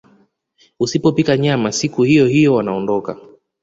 Usipopika nyama siku hiyohiyo wanaondoka